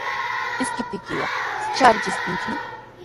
Ishkiptiykiqa shaarichishunkimi.